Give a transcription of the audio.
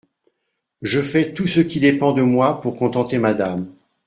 Je fais tout ce qui dépend de moi pour contenter Madame.